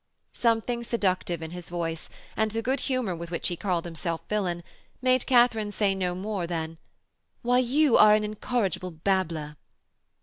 Something seductive in his voice, and the good humour with which he called himself villain, made Katharine say no more than: 'Why, you are an incorrigible babbler!'